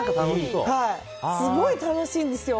すごい楽しいんですよ。